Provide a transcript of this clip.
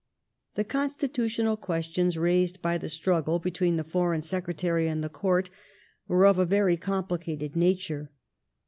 The constitutional questions raised by the struggle between the Foreign Secretary and the Court were of a very complicated nature.